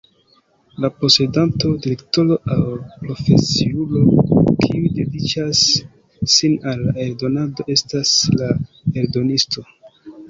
La posedanto, direktoro aŭ profesiulo, kiu dediĉas sin al la eldonado estas la eldonisto.